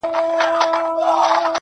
سخت حالت سره مخ ده-